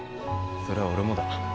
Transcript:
それは俺もだ。